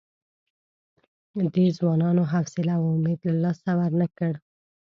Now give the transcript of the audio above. دې ځوانانو حوصله او امید له لاسه ورنه کړ.